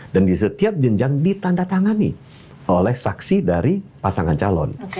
dan di setiap jenjang ditandatangani oleh saksi dari pasangan calon